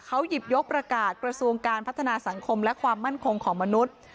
เขาหยิบยกประกาศกระทรวงการพัฒนาสังคมและความมั่นคงของมนุษย์